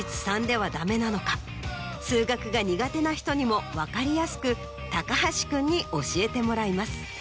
数学が苦手な人にも分かりやすく高橋君に教えてもらいます。